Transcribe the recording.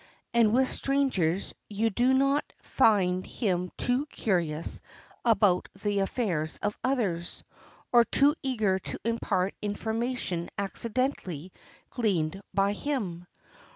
And with strangers you do not find him too curious about the affairs of others, or too eager to impart information accidentally gleaned by him.